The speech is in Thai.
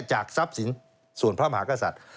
จากทรัพย์สินส่วนพระมหากษัตริย์